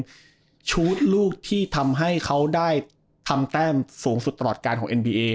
เป็นชูตลูกที่ทำให้เขาได้ทำแต้มสูงสุดตลอดการของเอ็นบีเอ